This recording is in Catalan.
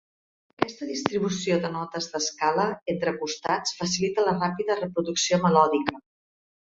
Aquesta distribució de notes d'escala entre costats facilita la ràpida reproducció melòdica.